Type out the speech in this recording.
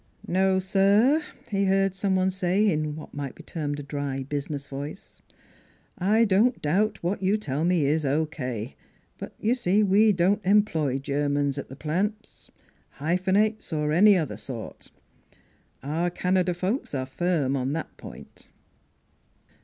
" No, sir," he heard some one say, in what might be termed a dry, business voice; " I don't doubt what you tell me is O.K.; but y' see we don't employ Germans at the plant hyphenates, or any other sort. Our Canada folks are firm on that point."